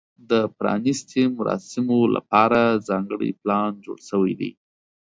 د پرانیستې مراسمو لپاره ځانګړی پلان جوړ شوی دی.